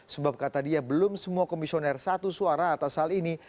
sebab kata dia belum semua komisioner satu suara atas hal ini